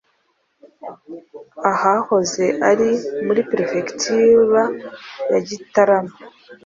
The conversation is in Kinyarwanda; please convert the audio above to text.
ahahoze ari muri Perefegitura ya Gitarama.